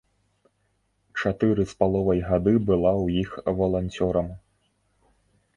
Чатыры з паловай гады была ў іх валанцёрам.